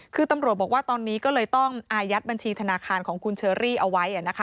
คือตำรวจบอกว่าตอนนี้ก็เลยต้องอายัดบัญชีธนาคารของคุณเชอรี่เอาไว้